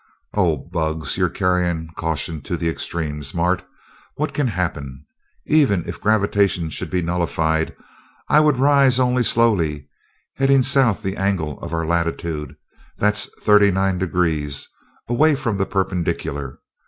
"Oh, bugs! You're carrying caution to extremes, Mart. What can happen? Even if gravitation should be nullified, I would rise only slowly, heading south the angle of our latitude that's thirty nine degrees away from the perpendicular.